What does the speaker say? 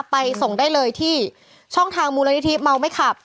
ไปส่งได้เลยที่ช่องทางมูลนิธิเมาไม่ขับ